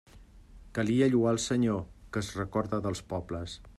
Calia lloar el Senyor, que es recorda dels pobres.